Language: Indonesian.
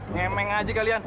ngemeng aja kalian